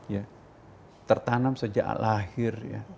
ya tertanam sejak lahir ya